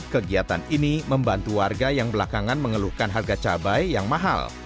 kegiatan ini membantu warga yang belakangan mengeluhkan harga cabai yang mahal